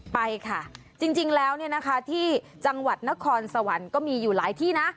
ไปค่ะจริงแล้วที่จังหวัดนครสวรรค์ก็มีอยู่หลายที่นะ